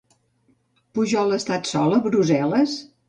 Pujol ha estat sol a Brussel·les?